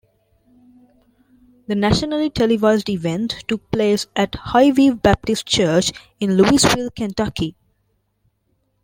The nationally televised event took place at Highview Baptist Church in Louisville, Kentucky.